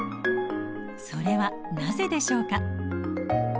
それはなぜでしょうか？